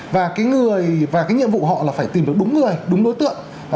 và cái người và cái nhiệm vụ họ là phải tìm được đúng người đúng đối tượng